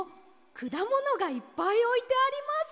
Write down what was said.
くだものがいっぱいおいてあります。